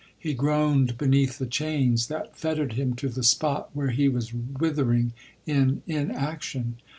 He groaned beneath the chains that fettered him to the spot, where he was withering in inaction.